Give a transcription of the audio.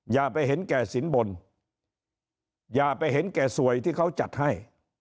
อย่าไปเห็นแก่สินบนอย่าไปเห็นแก่สวยที่เขาจัดให้